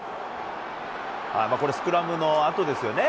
これ、スクラムのあとですよね。